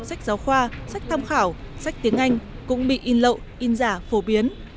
sách giáo khoa sách tham khảo sách tiếng anh cũng bị in lậu in giả phổ biến